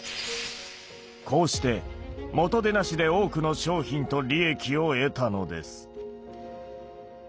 こうして元手なしで多くの商品と利益を得たのです。